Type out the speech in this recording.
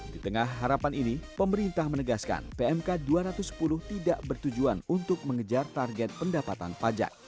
di tengah harapan ini pemerintah menegaskan pmk dua ratus sepuluh tidak bertujuan untuk mengejar target pendapatan pajak